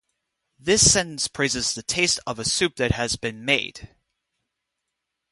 This sentence praises the taste of a soup that has been made.